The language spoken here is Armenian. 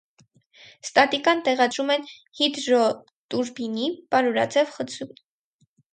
Ստատիկան տեղադրում են հիդրոտուրբինի պարուրաձև խցում։